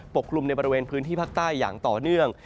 กลุ่มในบริเวณพื้นที่ภาคใต้อย่างต่อเนื่อง